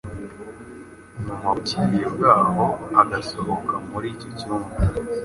nyuma bucyeye bwaho agasohoka muri icyo cyumba